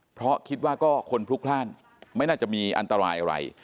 เพราะคิดว่าก็คนพลุกพลาดไม่น่าจะมีอันตรายอะไร